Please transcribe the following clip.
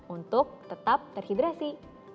untuk tetap terhidrasi